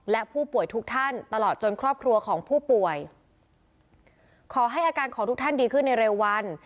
และผู้ป่วยทุกท่านตลอดจนครอบครัวของผู้ป่วยขอให้อาการของทุกท่านดีขึ้นในเร็ววัน